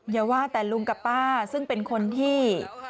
อย่าว่าแต่ลุงกับป้าซึ่งเป็นคนที่